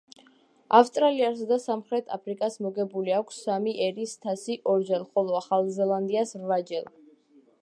ავსტრალიასა და სამხრეთ აფრიკას მოგებული აქვს სამი ერის თასი ორ-ორჯერ, ხოლო ახალ ზელანდიას რვაჯერ.